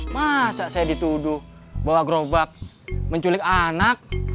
masa saya dituduh bawa gerobak menculik anak